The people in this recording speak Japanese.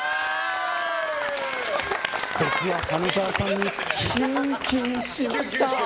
僕は花澤さんにキュンキュンしました。